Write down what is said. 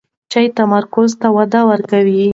چای تمرکز ته وده ورکوي.